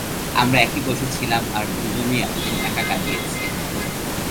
আমরা একই বয়সী ছিলাম আর দুজনেই এতদিন একা কাটিয়েছি।